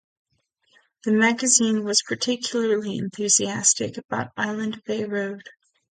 The magazine was particularly enthusiastic about Island Bay Road.